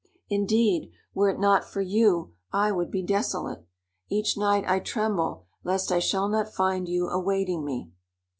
Indeed, were it not for you, I would be desolate. Each night I tremble lest I shall not find you awaiting me."